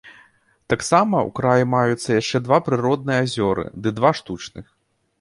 Таксама ў краі маюцца яшчэ два прыродныя азёры, ды два штучных.